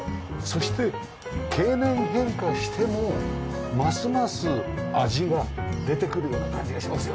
そして経年変化してもますます味が出てくるような感じがしますよね。